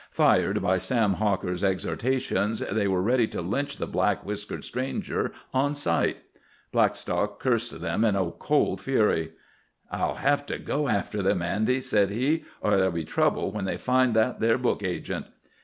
Fired by Sam Hawker's exhortations, they were ready to lynch the black whiskered stranger on sight. Blackstock cursed them in a cold fury. "I'll hev to go after them, Andy," said he, "or there'll be trouble when they find that there book agent."